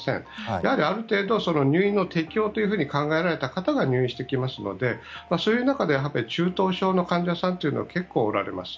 やはりある程度入院の適用という方が入院してきますのでそういう中で中等症の患者さんというのは結構おられます。